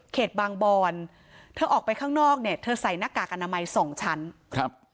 บางบอนเธอออกไปข้างนอกเนี่ยเธอใส่หน้ากากอนามัยสองชั้นครับ